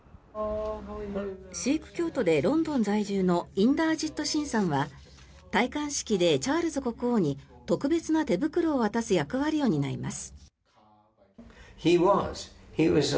シーク教徒でロンドン在住のインダージット・シンさんは戴冠式でチャールズ国王に特別な手袋を渡す役割を担います。